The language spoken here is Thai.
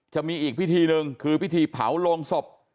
จะมีอีกพิธีหนึ่งคือพิธีเผาโรงศพ